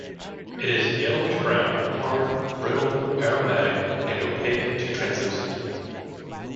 It is yellowish-brown, hard, brittle, aromatic, and opaque to translucent.